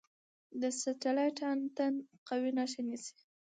د سټلایټ انتن قوي نښه نیسي.